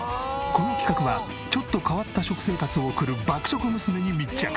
この企画はちょっと変わった食生活を送る爆食娘に密着。